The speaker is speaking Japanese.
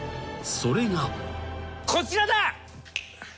それが］こちらだ。